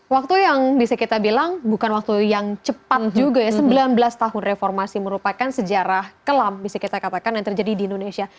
waktu yang bisa kita bilang bukan waktu yang cepat juga ya sembilan belas tahun reformasi merupakan sejarah kelam bisa kita katakan yang terjadi di indonesia